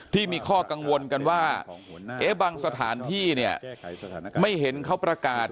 ที่มีข้อกังวลกันว่าบางสถานที่เนี่ยไม่เห็นเขาประกาศ